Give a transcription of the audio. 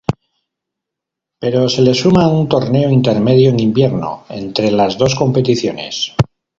Pero se les suma un Torneo Intermedio en invierno, entre las dos competiciones.